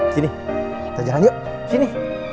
sini kita jangan yuk sini